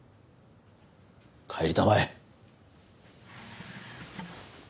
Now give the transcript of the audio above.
帰りたまえ。